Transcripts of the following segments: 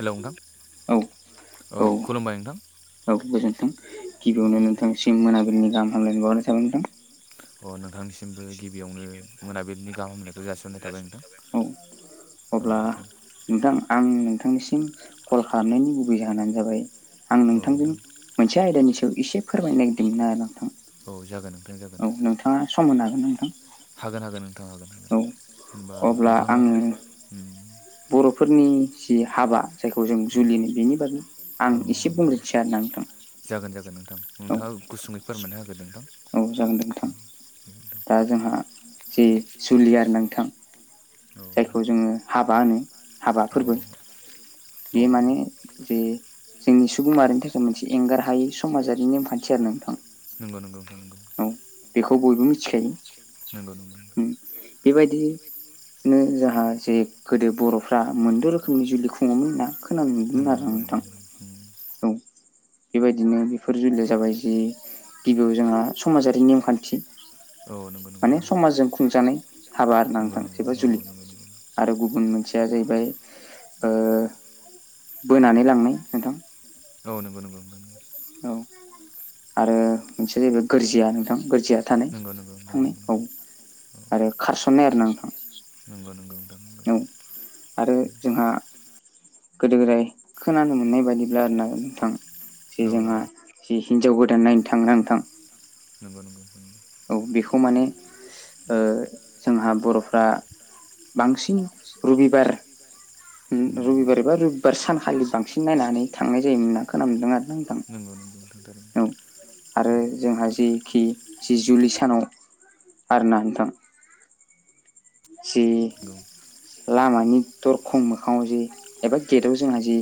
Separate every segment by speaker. Speaker 1: हेल' नोंथां, औ खुलुमबाय नोंथां।
Speaker 2: रावबो गोजोन्थों गिबियावनो नोंथांसिम मोनाबिलिनि गाहामलायनाय बावनाय थाबाय नोंथां।
Speaker 1: अ नोंथांनिसिमबो गिबियावनो मोनाबिलिनि गाहामनायखौ जासिननाय थाबाय नोंथां।
Speaker 2: औ। अब्ला नोंथां आं नोंथांनिसिम कल खालामनायनि गुबै जाहोनानो जाबाय आं नोंथांजों मोनसे आयदानि सायाव एसे फोरमायनो नागिरदोंमोन आरो नोंथां। औ नोंथाङा सम मोन हागोन नोंथां?
Speaker 1: हागोन हागोन नोंथां हागोन हागोन होनबा नोंथाङा?
Speaker 2: बर'फोरनि जि हाबा जायखौ जों जुलिनो बेनि बागै आं एसे बुं रोथि आरो नोंथां।
Speaker 1: जागोन जागोन नोंथां नोंथाङा गुसुङै फोरमायना होगोन नोंथां।
Speaker 2: औ जागोन नोंथां दा जोंहा जे जुलियार नोंथां जायखौ जोङो हाबा होनो हाबा फोरबो। बे माने जे जोंनि सुबुं माहारिनि थाखाय मोनसे एंगार हायि समाजारि नेमखान्थि आरो नोंथां‌
Speaker 1: नंगौ नंगौ नोंथां नंगौ।
Speaker 2: बेखौ बयबो मिथिखायो।
Speaker 1: नोंगौ नोंगौ नोंथां।
Speaker 2: उम बेबायदि नो जोंहा जे गोदो बर'फ्रा मोनद' रोखोमनि जुलि खुङोमोन ना खोनानो नुदोंमोन आरो ना नोंथां। औव बेबायदिनो बेफोर जुलिया जाबाय जि गिबियाव जोंहा समाजारि नेयम खान्थि। माने समाजजों खुंजानाय हाबा आरो ना नोंथां जेबा जुलि। आरो गुबुन मोनसेया जाहैबाय ओ बोनानै लांनाय नोंथां।
Speaker 1: औव नंगौ नंगौ नं
Speaker 2: औव आरो मोनसेया जाहैबाय गोरजिया नोंथां गोरजिया थानाय थांनाय औव आरो खारसननाय आरो ना नोंथां।
Speaker 1: नंगौ नंगौ नोंथां।
Speaker 2: औव आरो जोंहा गोदो गोदाय खोनानो मोननाय बायदिब्ला आरोना नोंथां जे जोंहा जि हिनजाव गोदान नायनो थांङो दा नोंथां
Speaker 1: नंगौ नंगौ नंगौ
Speaker 2: औव बेखौ माने ओ जोंहा बर'फ्रा बांसिन रबिबार उम रबिबार एबा रबिबार सानखालि बांसिन नायनानै थांनाय जायोमोनना खोनानो मोनदों आरो ना नोंथां।
Speaker 1: दार [unintelligible]
Speaker 2: आरो जोंहा जेखि जि जुलि सानाव आरोना नोंथां से लामानि दरखं मोखाङाव जि एबा गेटाव जोंहा जि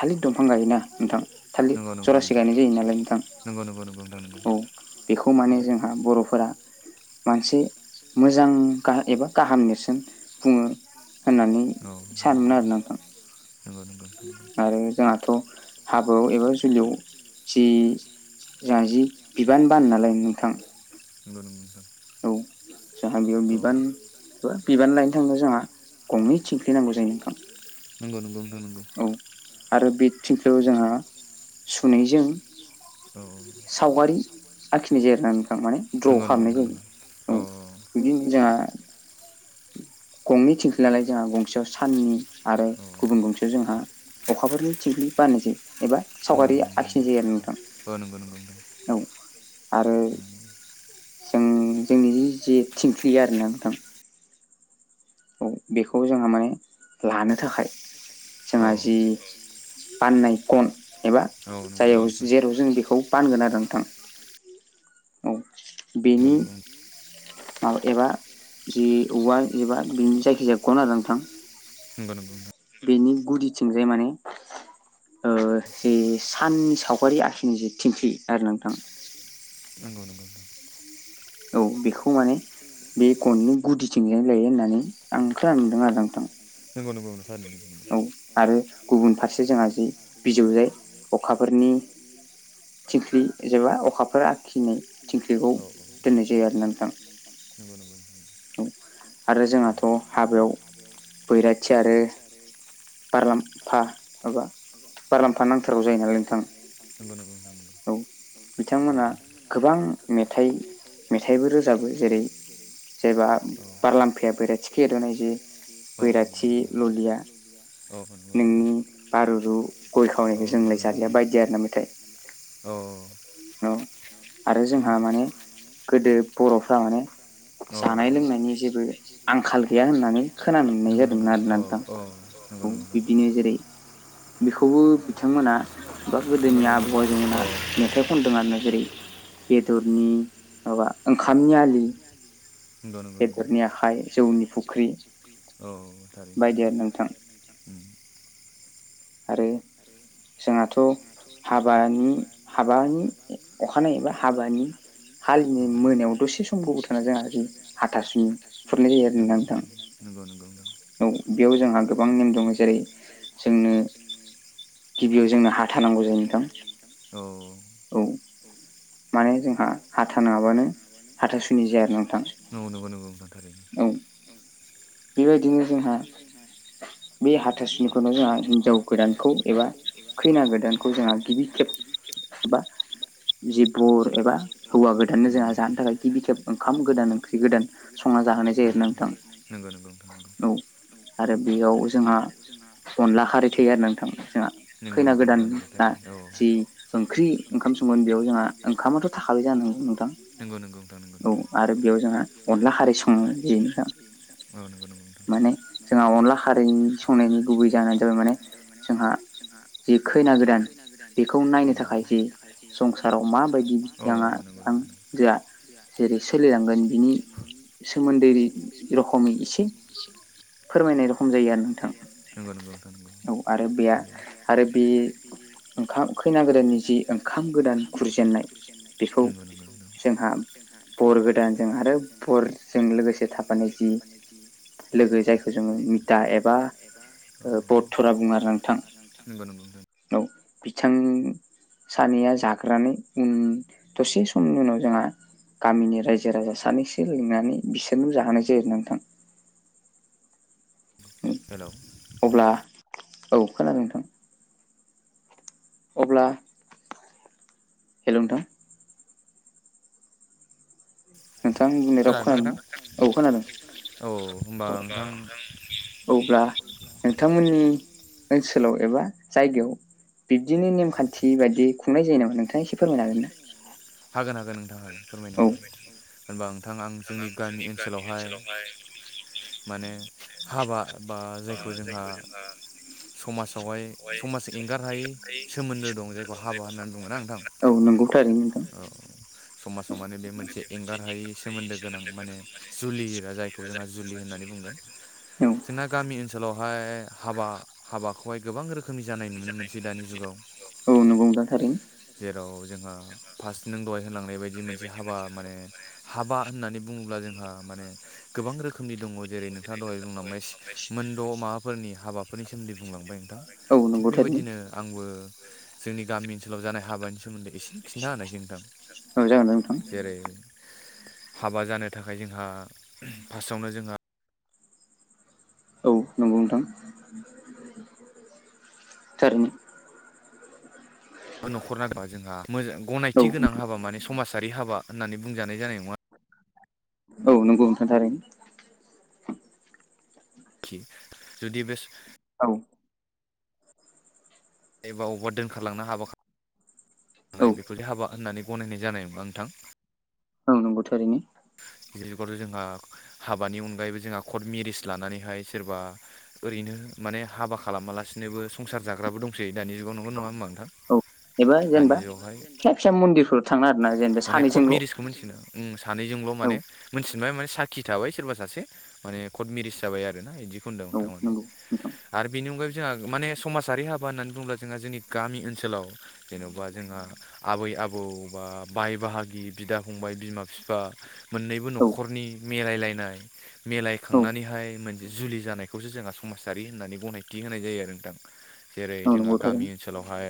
Speaker 2: थालिर दंफां गायोना नोंथां थालिर जरासे गायनाय जायो नालाय नोंथां
Speaker 1: नोंगौ नोंगौ नोंगौ नोंथां।
Speaker 2: औव बेखौ माने जोंहा बर'फोरा मोनसे मोजां गाह एबा गाहाम नेरसोन बुङो होननानै सानोमोन आरोना नोंथां।
Speaker 1: नंगौ नंगौ नोंथां
Speaker 2: आरो जोंहाथ' हाबाआव एबा जुलियाव जि जोंहा जि बिबान बानो नालाय नोंथां
Speaker 1: नंगौ नंगौ नोंथां।
Speaker 2: औव जोंहा बेयाव बिबान बा बिबान लायनो थांनो जोंहा गंनै थिंख्लिनांगौ जायो नोंथां।
Speaker 1: नंगौ नंगौ
Speaker 2: औव आरो बे थिंख्लियाव जोंहा सुनैजों सावगारि आखिनाय जायो आरो ना नोंथां माने दड्र' खालामनाय जायो। औव बिदिनो जोंहा गंनै थिंखलि नलाय जोंहा गंसेयाव साननि आरो गुबुन गंसे जोंहा अखाफोरनि थिंखलि बारनाय जायो एबा सावगारि आखिनाय जायो आरो नोंथां।
Speaker 1: औव नंगौ नंगौ नोंथां।
Speaker 2: औव आरो जों जोंनि जे थिंख्लि आरोना नोंथां औव बेखौ जोंहा माने लानो थाखाय जोंहा जि बाननाय गन एबा जायाव जेराव जों बेखौ बानगोन आरो नोंथां औ बेनि माब एबा जि औवा एबा बिनि जायखिजायागौमोन आरो नोंथां।
Speaker 1: ंगगंग [unintelligible]
Speaker 2: बेनि गुदिथिंजाय माने जे साननि सावगारि आसखिनि जे थिंखि आरो नोंथां।
Speaker 1: नंगौनगौदों।
Speaker 2: औ बेखौ माने बे एकन्टनि गुदिथिंजाय लायो होननानै आं खोनदों आरो नोंथां।
Speaker 1: नंगौ नंगौनो सार नोंनो।
Speaker 2: आरो गुबुन फारसे जोंहा बिजौजाय अखाफोरनि थिंख्लि जबा अखाफोर आखिनाय थिंख्लिखौ दोननाय जायो आरो ना नोंथां।
Speaker 1: [inaudible] आरो जोंनाथ' आबौ बैरथि आरो
Speaker 2: बारलाम्फा माबा बारलाम्फा नांथारगौ जायो नालाय नोंथां।
Speaker 1: सबनांगौ होन [unintelligible]
Speaker 2: औ
Speaker 1: औ बिथांमोना गोबां मेथ मेथाइबोबो दाबो जेरै ज बारफाया बेर न लया [unintelligible] औाय [unintelligible] औ
Speaker 2: औ आरो जोंहा माने गोदो बर'फ्रा माने जानाय लोंनायनि जेबो आंखाल गैया होननानै। खोना मोननाय जादोंमोन आरोना नोंथां औ बिब्दिनो जेरै बेखौबो बिथांमोना बा गोदोनि आबौ आजौमोना मोना खनदों आरो जेरै बेदरनि माबा ओंखामनि आलि बेदरनि आखाइ जौनि फुख्रि।
Speaker 1: औ
Speaker 2: बायदि आरो नोंथां। आरो जोंहाथ' हाबानि हाबानि अखानाय एबा हाबानि हालिनाय मोनायाव दसे समखौबो थाङा जों हाथासुनि खुरनाय जायो आरोथां।
Speaker 1: नंगौ नंगौ दं।
Speaker 2: बेयाव जोंहा गोबां नेम दङ जेरै जोंनो गिबियाव जोंनो हााथानांगौ जायो नोंथां।
Speaker 1: औ
Speaker 2: औ माने जोंहा हाथा नङाबानो हाथासुनि जाया आरो नोंथां।
Speaker 1: न'नोबोनो गथाथार [unintelligible]
Speaker 2: औ
Speaker 1: उ [unintelligible]
Speaker 2: बेबायदिनो जोंहा बे हाथासुनिखौनो जोंहा हिनजाव गोदानखौ एबा खैना गोदानखौ जोंहा गिबि खेब बा जि बर एबा हुवा ग नो जोंहा जानो थाखाय गिबि खेब ओंखाम गोदान ओंख्रि गोदान संना जाहाय जायो आरो ना नोंथां।
Speaker 1: नंगौ नंगौ।
Speaker 2: द आरो बेयाव जोंहा अनला खारै थैयो आरो नोंथां जोंहा खैना गोदान दा जि ओंख्रि ओंखाम संगोन बेयाव जोंहा ओंखामाथ' थाखै जानो।
Speaker 1: गौगौगौगौ औ आरो बेयाव जोंहा अनला खारै सं [unintelligible] गौ माने जोंहा अनला खारै संनायनि गुबै जानानै थार माने [unintelligible] जोंहा
Speaker 2: जे खैना गोदान बेखौ नायनो थाखाय जे संसाराव माबायदि बिथाङा जोंहा जेरै सोलिलांगोन बिनि सोमोन्दै रोखोमै एसे फोरमायनाय रखम जायो आरो नोंथां औ आरो बे आरो बे ओंखाम खैना गोदाननि जि ओंखाम गोदान खुरजेनन्नाय बेखौ
Speaker 1: नगगदों जोंहा फर गोदानजों आरो फरजों लोगोसे थाफानो गि लोगो जायखौ जोङो निदा एबाथरा बेमार ज
Speaker 2: औ बिथां सानैया जाग्रानै उन दसे समनि उनाव जोंहा गामिनि रायजो राजा सानैसो लिंनानै बिसोरनो जाहोनाय जायो नोंथां अब्ला औ खोनादों नोंथां। अब्ला हेल नोंथां नोंथां बुं रावखौ खोनादोंना औ खोनादों अब्ला नोंथांमोननि ओनसोलाव एबा जायगायाव बिब्दिनो नेमखान्थि बायदि खुंनाय जायो नामा नोंथाङा एसे फोरमायनो हागोन ना
Speaker 1: हागोन हागोन नोंथां हागोन फोरमायनो हागोन होनबा नोंथां आं
Speaker 2: आं जोंनि गामि ओनसोलावहाय
Speaker 1: हाबा बा जायखौ जोंहा समाजावहाय समाज एंगारहायै सोमोन्दो दं जायखौ हाबा होननानै बुङोना नोंथां औ समाजाव माने बे मोनसे एंगार हायै सोमोन्दो ज गोनां माने जुलिा जायखौ जोंहा जुलि होननानै बुंगोन। ना गामि ओनसोलावहाय हाबा हाबाखौहाय गोबां रो खोमै जानाय नुनो मोनसै दानि जुगाव। जेराव जोंहा फार्स्ट नों दहाय होलांनाय बायदि मोनसे हाबा माने हाबा होननानै बुङोब्ला जोंहा माने गोबां रोखोमनि दङ जेरै नोंथाङा दहाय बुंलांबाय मोनद' माबाफोरनि हाबा बे फोरनि सोमोन्दै बुंलांबाय नोंथां थिग बेबायदिनो आंबो जोंनि गामिनि सलाव जानाय हाबानि सोमोन्दै एसे खिन्थाहानायसै नोंथां जेरै हाबा जानो थाखाय जोंहा फार्स्टआवनो जोंहा
Speaker 2: औ नंगौ नोंथां थारैनो
Speaker 1: न'खर ना जोंहा मोां गनायथि गोनां हाबा माने समाजारि हाबा होननानै बुंजानाय जानाय नङा
Speaker 2: औ नंगौ नोंथां थारैनो
Speaker 1: जुदि बे
Speaker 2: औ
Speaker 1: एबा अबेबा दोनखारलांना हाबा बेखौल हाबा होननानै गनायनाय जानाय नङा नोंथां।
Speaker 2: औ नंगौथ आरो।
Speaker 1: गिदिर जुगारथ' जोंहा हाबानि अनगायैबो जोंहा कर्ट मेरिस लानानैहाय सोरबा ओरैनो माने हाबा खालामालासिनोबो संसार जाग्राबो दंसै दानि जुगाव नंगा नङा होमबा नोंथां।
Speaker 2: औ एबा जेनेबा फिसा फिसा मन्दिरफोर
Speaker 1: माने कर्ट मेरिसखौ मिसिगोन सानैजोंल' माने मोनथिनबाय माने साखि थाबाय सोरबा सासे माने कर्ट मेरिस जाबाय आरो ना बिदिखौ होनदोंमोन थारमाने आरो बेनि अनगायैबो जोंहा माने समाजारि हाबा होननानै बुङोब्ला जोंहा जोंनि गामि ओनसोलाव जेन'बा जोंहा आबै आबौ बा बाय बाहागि बिदा फंबाय बिमा बिफा मोननैबो न'खरनि मिलायलायनाय मिलायखांनानैहाय मोनसे जुलि जानायखौसो जोंहा समाजारि होननानै गनायथि होनाय जायो आरो नोंथां।
Speaker 2: [inaudible]
Speaker 1: जेरै जोंहा गामि ओनसोलावहाय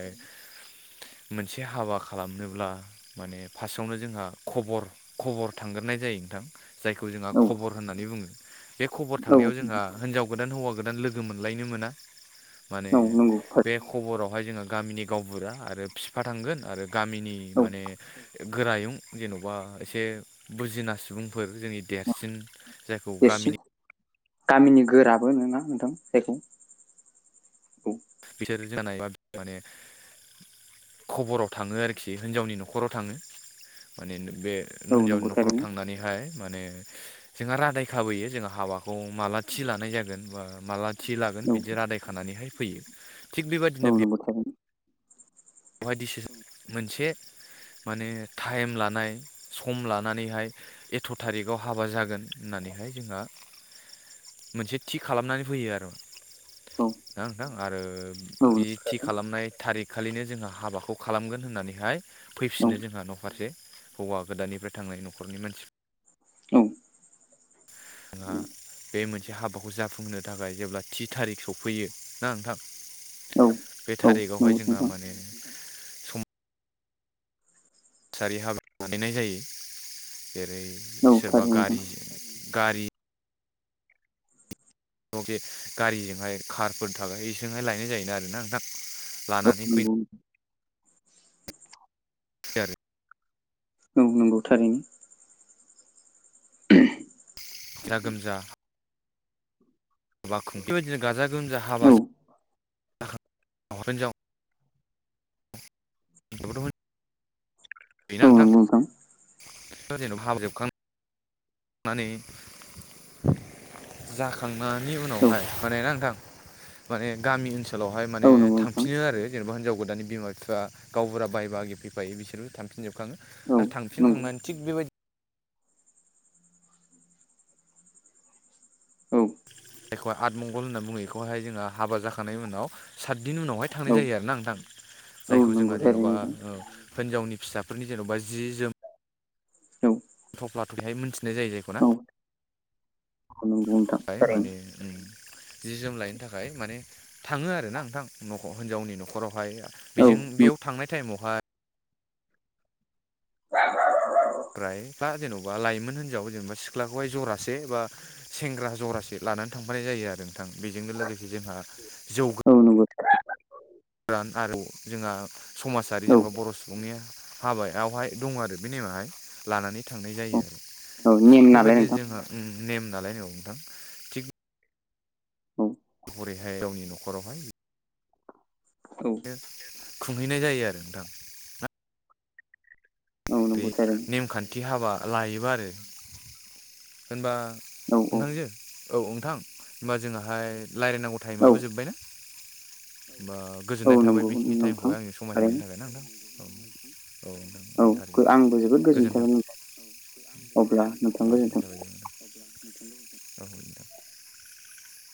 Speaker 1: मोनसे हाबा खालामनोब्ला माने फार्स्टआवनो जोंहा खबर खबर थांग्राय जायो नोंथां। जायखौ जोंहा खबर होननानै बुङो। बे खबर थांनायाव जोंहा हिनजाव गोदान हौवा गोदान लोगो मोनलायनो मोना। माने बे खबरावहाय जोंहा गामिनि गावबुरा आरो बिफा थांगोन आरो गामिनि माने गोरायुं जेन'बा एसे बुजिना सुबुंफोर जोंनि देरसिन
Speaker 2: देरसिन गामिनि गोराबो ना नोथां जायखौ
Speaker 1: बिसोर जानाय बा माने खबराव थाङो आरोखि हिनजावनि न'खराव थाङो माने बे हिनजावनि न'खराव थांनानैहाय माने जोंहा रादाय खाबोयो जोंहा हाबाखौ माला थि लानाय जागोन माला थि लागोन बिदि रादाय थानानैहाय फैयो। थिग बेबायदिनो
Speaker 2: [unintelligible]
Speaker 1: बेहायदिस मोनसे माने टाइम लानाय सम लानानैहाय एथ' थारिखाव हाबा जागोन होननानैहाय जोंहा। मोनसे थि खालामनानै फैयो आरो ना नोंथां आरो बे थि खालामनाय थारिकखालिनो जोंहा हाबाखौ खालामगोन होननानैहाय फैफिनो जोंहा न'फारसे हौवा गोदाननिफ्राय थांनाय न'खरनि मानसिफोर
Speaker 2: औ।
Speaker 1: आ बे मोनसे हाबाखौ जाफुंहो थाखाय जेब्ला थि थारिख सफैयो ना नोंथां
Speaker 2: औ।
Speaker 1: थारिखावहाय जोंहा माने थासारि हाबा बानायनाय जायो जेरै सोरबा गारिजों गारि गंसे गारिजोंहाय कारफोर थाबाय बेजोंहाय लायनाय जायोन आरो ना नोंथां। लानानै फैनो थियारि
Speaker 2: औ औ नंगौ थारैनो।
Speaker 1: जा गोमजा बेबायदिनो गाजा गोमजा हाबा जा [unintelligible] हिनजाव [unintelligible] होयोना नोंथां? जेनेबा हाबा जोबखां माने जाखांनायनि उनावहाय माने ना नोंथां माने गामि ओनसो लावहाय माने थांफिनो आरो जेनेबा हिजाव गोदानि बिमा बिफा गावबुरा बायबाहागि फैफायो बिसोरबो थांफिनजोबखाङो। आरो थांफिनखांनानै थिग बेबायदि [inaudible] एखौहाय आदमंगल होनना बुङो बेखौहाय जोंहा हाबा जाखांनायनि उनाव सातदिन उनावहाय थांनाय जायो आरोना नोंथां। जायखौ जोंहा जेन'बा हिनजावनि फिसाफोरनि जेन'बा जि जोम थफ्ला थफेहाय मिथिनाय जायो जायखौ ना?
Speaker 2: [unintelligible]
Speaker 1: फाय माने जि जोम लायनो थाखाय माने थाङो आरोना नोंथां हिनजावनि न'खरावहाय बेजों बेयाव थांनाय टाइमावहाय ओमफ्राय दा जेन'बा लाइमोन हिनजाव जेनेबा सिख्लाखौहाय जरासे बा सेंग्रा जरासे लानानै थांफानाय जायो आरो नोंथां बेजोंनो लोगोसे जोंहा जौ
Speaker 2: औ नोंखौ।
Speaker 1: गोरान आरो जोंहा समाजारि जेनेबा बर' सुबुंनि हाबायावहाय दङ आरो बे नेमाहाय। लानानै थांनाय जायो। बेबायदि जोंहा उम नेम नालाय औ नोंथां। हरैहाय गावनि न'खरावहाय
Speaker 2: औ।
Speaker 1: खुंहैनाय जायो आरो नोंथां। बे नेमखान्थि हाबा लायोबा आरो होनबा। नोंथांजो औ नोंथां होमबा जोंहाहाय रायज्लायनांगौ टाइमाबो जोब्बाय ना। होमबा गोजोननाय थाबाय बेखिनि टाइमखौहाय आंनो समाय होनायनि थाखाय ना नोंथां। औ नोंथां ओं। थारैनो गोजोनथों औ आंबो जोबोद गोजोनबाय नोंथां। औ नोंथां।